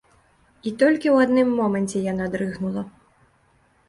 І толькі ў адным моманце яна дрыгнула.